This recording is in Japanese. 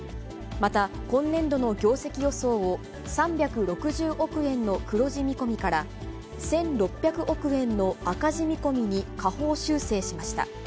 また今年度の業績予想を３６０億円の黒字見込みから、１６００億円の赤字見込みに下方修正しました。